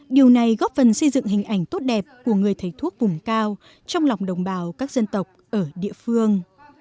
điều này góp phần xây dựng hình ảnh tốt đẹp của người thầy thuốc vùng cao trong lòng đồng bào các dân tộc ở địa phương